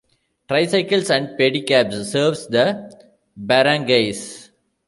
Tricycles and pedicabs serves the barangays.